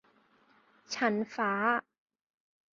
ชั้นฟ้า